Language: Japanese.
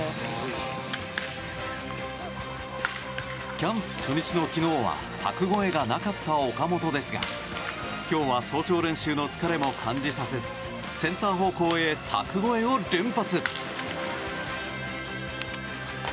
キャンプ初日の昨日は柵越えがなかった岡本ですが今日は早朝練習の疲れも感じさせずセンター方向へ柵越えを連発！